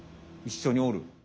一緒におる。